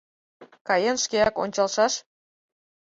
Каен шкеак ончалшаш.